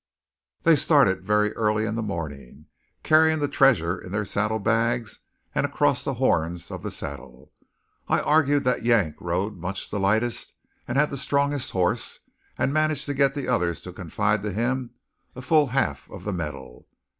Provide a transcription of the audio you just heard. They started very early in the morning, carrying the treasure in saddle bags and across the horns of the saddle. I argued that Yank rode much the lightest and had the strongest horse, and managed to get the others to confide to him a full half of the metal.